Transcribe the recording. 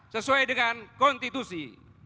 sesuai dengan konstitusi